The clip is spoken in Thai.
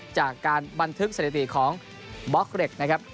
จากการบันทึกสถิติของบล็อกเล็กนะครับ